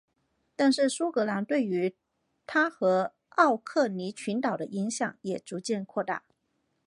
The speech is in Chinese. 但是苏格兰对于它和奥克尼群岛的影响也逐渐扩大。